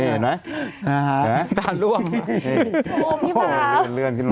ลักลูกแรกมาลี๊งเวียง